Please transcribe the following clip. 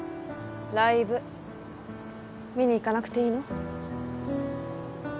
ライブ見にいかなくていいの？